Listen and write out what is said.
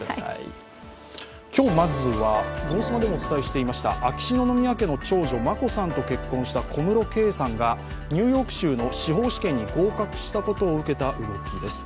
今日、まずは「ゴゴスマ」でもお伝えしていました秋篠宮家長女、眞子さんと結婚した小室圭さんがニューヨーク州の司法試験に合格したことを受けた動きです。